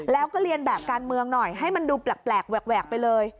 แล้วก็เรียนแบบการเมืองหน่อยให้มันดูแปลกแหวกไปเลย